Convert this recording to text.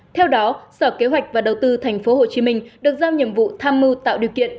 theo đó sở kế hoạch và đầu tư tp hcm được giao nhiệm vụ tham mưu tạo điều kiện